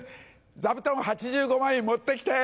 座布団８５枚持って来て。